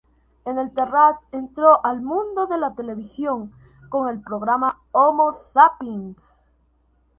En el Terrat entró al mundo de la televisión, con el programa "Homo Zapping".